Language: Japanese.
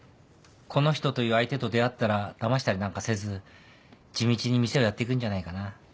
この人という相手と出会ったらだましたりなんかせず地道に店をやっていくんじゃないかな。